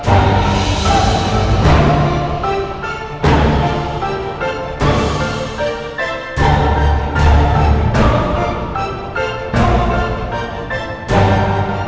andin terjun ke danau itu